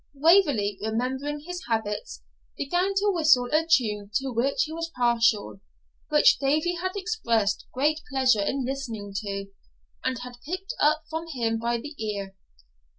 Waverley, remembering his habits, began to whistle a tune to which he was partial, which Davie had expressed great pleasure in listening to, and had picked up from him by the ear.